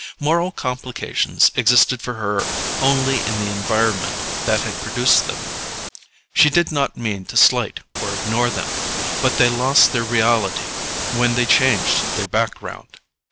Moral complications existed for her only in the environment that had produced them; she did not mean to slight or ignore them, but they lost their reality when they changed their background.